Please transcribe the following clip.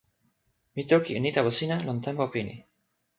mi toki e ni tawa sina lon tenpo pini.